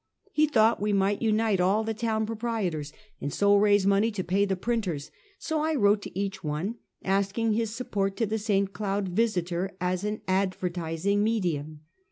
He thought we might unite all the town pro prietors, and so raise money to pay the printers, so I Avrote to each one, asking his support to the St. Cloud Visiter^ as an advertising medium.